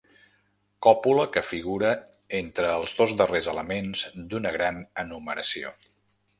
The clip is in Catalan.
Còpula que figura entre els dos darrers elements d'una gran enumeració.